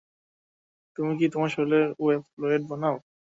তুমি কি তোমার শরীরেই ওয়েব ফ্লুয়িড বানাও?